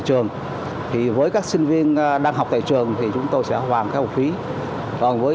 còn với các sinh viên đang học tại trường thì chúng tôi sẽ hoàn rez thêm một phí